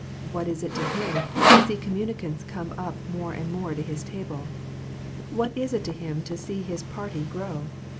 What is it to him to see communicants come up more and more to his table ? What is it to him to see his party grow